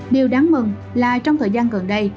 điều đáng mừng là trong thời gian gần đây